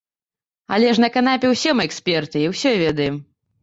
Але ж на канапе ўсе мы эксперты і ўсё ведаем.